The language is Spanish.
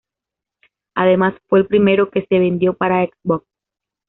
Además, fue el primero que se vendió para Xbox.